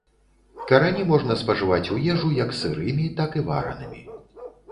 Карані можна спажываць у ежу як сырымі, так і варанымі.